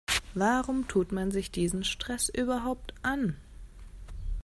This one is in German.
Warum tut man sich diesen Stress überhaupt an?